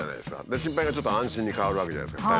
で心配がちょっと安心に変わるわけじゃないですか。